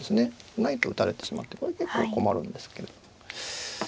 ないと打たれてしまってこれ結構困るんですけど。